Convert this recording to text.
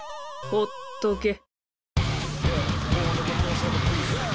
ほっとけ。